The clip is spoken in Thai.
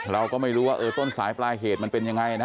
เราก็ไม่รู้ว่าต้นสายปลายเหตุมันเป็นยังไงนะ